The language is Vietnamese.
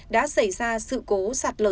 đã xảy ra sự cố sạt lử